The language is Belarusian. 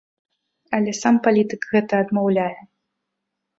Але сам палітык гэта адмаўляе.